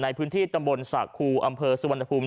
ในพื้นที่ตำบลสระครูอำเภอสุวรรณภูมิ